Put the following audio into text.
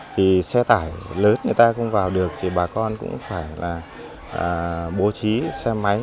thì xe tải lớn người ta không vào được thì bà con cũng phải là bố trí xe máy